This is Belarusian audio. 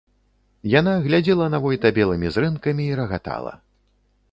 Яна глядзела на войта белымі зрэнкамі і рагатала.